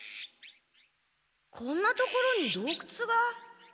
こんな所にどうくつが。